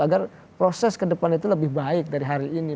agar proses ke depan itu lebih baik dari hari ini